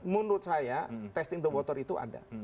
menurut saya testing the water itu ada